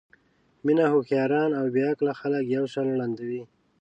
مینه هوښیاران او بې عقله خلک یو شان ړندوي.